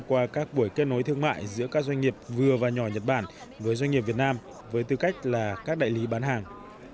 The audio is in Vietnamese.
qua các buổi kết nối thương mại giữa các doanh nghiệp vừa và nhỏ nhật bản với doanh nghiệp việt nam với tư cách là các đại lý bán hàng